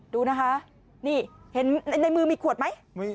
ดูนะคะนี่เห็นในมือมีขวดไหม